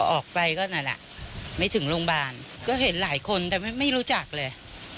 ออกไปก็นั่นแหละไม่ถึงโรงพยาบาลก็เห็นหลายคนแต่ไม่รู้จักเลย